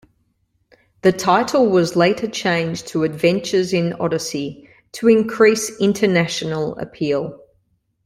The title was later changed to "Adventures in Odyssey" to "increase international appeal".